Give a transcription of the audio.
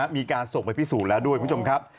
มีการส่งไปพิสูจน์แล้วด้วยคุณผู้ชมครับ